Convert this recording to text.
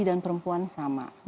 dan perempuan sama